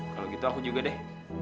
kalau gitu aku juga deh